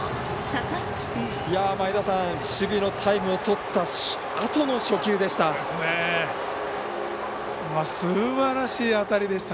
前田さん守備のタイムをとったあとの初球でした。